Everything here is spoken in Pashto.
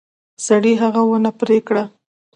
سړي هغه ونه پرې کړه.